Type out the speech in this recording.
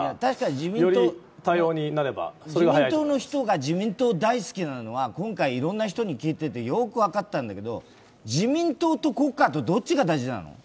自民党の人が自民党大好きなのは今回いろんな人に聞いてよく分かったんだけど自民党と国家とどっちが大事なの？